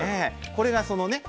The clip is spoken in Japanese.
これがそのね